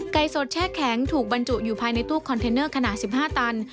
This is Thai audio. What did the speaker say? สดแช่แข็งถูกบรรจุอยู่ภายในตู้คอนเทนเนอร์ขนาด๑๕ตัน